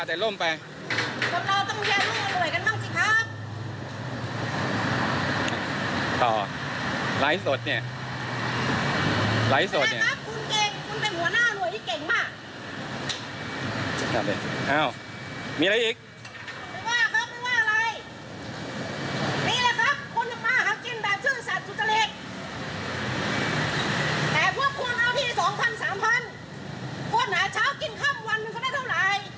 แต่พวกควรเอาที่๒๐๐๐๓๐๐๐พวกหนาเช้ากินครั้งวันก็ได้เท่าไหร่